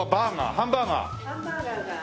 ハンバーガーが。